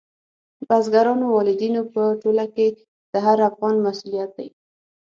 بزګرانو، والدینو په ټوله کې د هر افغان مسؤلیت دی.